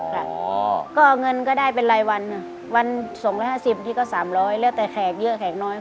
ค่ะก็เงินก็ได้ไปรายวันวัน๒ละ๕๐ทีก็๓๐๐เเลือดตัวแผกเยอะแผกน้อย